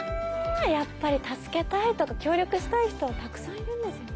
やっぱり助けたいとか協力したい人はたくさんいるんですね。